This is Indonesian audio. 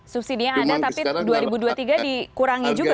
subsidinya ada tapi dua ribu dua puluh tiga dikurangi juga